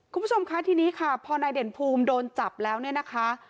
คุณผู้ชมคะทีนี้ค่ะพอนายเด่นภูมิโดนจับแล้วเนี่ยนะคะ